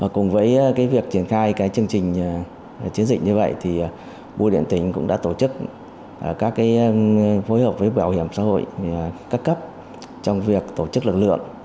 cùng với việc triển khai chương trình chiến dịch như vậy bùi điện tỉnh cũng đã tổ chức các phối hợp với bảo hiểm xã hội các cấp trong việc tổ chức lực lượng